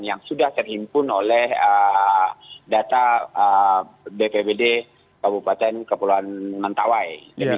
yang sudah terhimpun oleh data bpbd kabupaten kepulauan mentawai